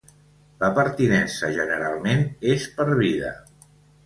La pertinença generalment és per vida.